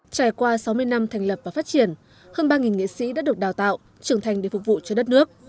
trải qua sáu mươi năm thành lập và phát triển hơn ba nghệ sĩ đã được đào tạo trưởng thành để phục vụ cho đất nước